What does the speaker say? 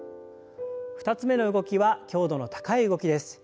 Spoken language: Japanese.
２つ目の動きは強度の高い動きです。